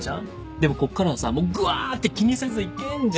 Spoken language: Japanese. でもここからはさもうぐわ！って気にせずいけんじゃん。